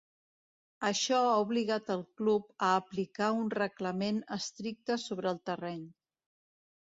Això ha obligat el club a aplicar un reglament estricte sobre el terreny.